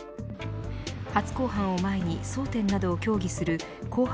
初公判を前に争点などを協議する公判